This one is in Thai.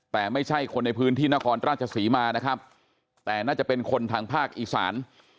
แต่ไม่ใช่คนในพื้นที่นครราชศรีมานะครับแต่น่าจะเป็นคนทางภาคอีสาน